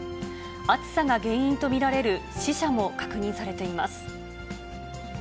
暑さが原因とみられる死者も確認されています。